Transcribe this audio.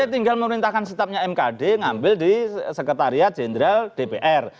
ya tinggal memintakan setapnya mkd ngambil di sekretariat jenderal dpr